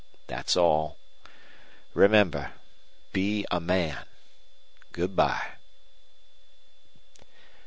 That's all. Remember, be a man. Goodby."